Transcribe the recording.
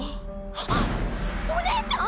はっお姉ちゃん